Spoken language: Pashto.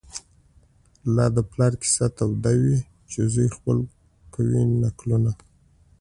لا د پلار کیسه توده وي چي زوی خپل کوي نکلونه